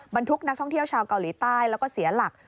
บรรทุกนักท่องเที่ยวชาวเกาหลีใต้แล้วก็เสียหลัก